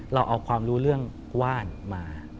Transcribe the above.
เราเอาความรู้เรื่องว่านมา